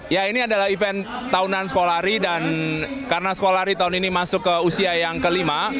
ya ini adalah event tahunan sekolah ri dan karena sekolah ri tahun ini masuk ke usia yang kelima